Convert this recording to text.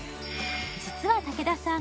実は竹田さん